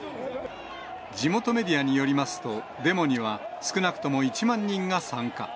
地元メディアによりますと、デモには、少なくとも１万人が参加。